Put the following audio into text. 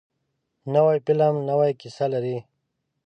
نوی فلم نوې کیسه لري